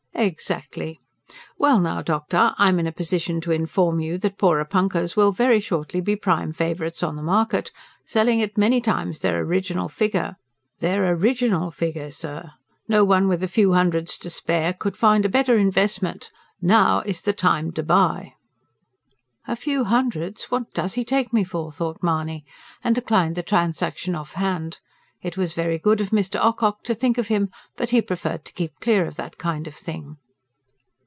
"Exactly. Well now, doctor, I'm in a position to inform you that 'Porepunkahs' will very shortly be prime favourites on the market, selling at many times their original figure their ORIGINAL figure, sir! No one with a few hundreds to spare could find a better investment. Now is the time to buy." A few hundreds! ... what does he take me for? thought Mahony; and declined the transaction off hand. It was very good of Mr. Ocock to think of him; but he preferred to keep clear of that kind of thing.